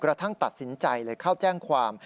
ทั้งตัดสินใจเลยเข้าแจ้งความ